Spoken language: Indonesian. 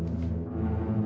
dia butuh kasih sayang